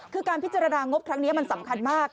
คือการพิจารณางบครั้งนี้มันสำคัญมาก